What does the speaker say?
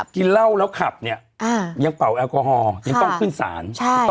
กินเหล้าแล้วขับเนี่ยยังเป่าแอลกอฮอล์ยังต้องขึ้นศาล